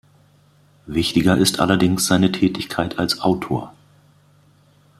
Wichtiger ist allerdings seine Tätigkeit als Autor.